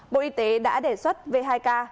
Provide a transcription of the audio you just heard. bộ y tế đã đề xuất v hai k